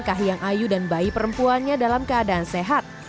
kahe yang ayu dan bayi perempuannya dalam keadaan sehat